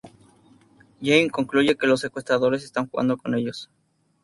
Jamie concluye que los secuestradores están jugando con ellos.